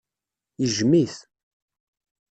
Yejjem-it.